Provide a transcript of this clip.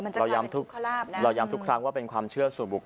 เราย้ำทุกครั้งว่าเป็นความเชื่อส่วนบุคคล